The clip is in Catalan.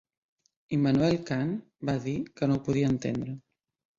Immanuel Kant va dir que no ho podia entendre